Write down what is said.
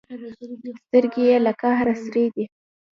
سترګې یې له قهره سرې دي.